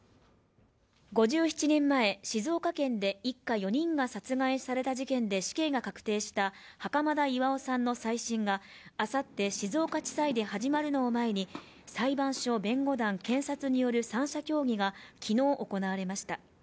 ５７年前、静岡県で一家４人が殺害された事件で死刑が確定した袴田巖さんの再審が、あさって静岡地裁で始まるのを前に裁判所、弁護団、検察による三者協議が昨日行われました。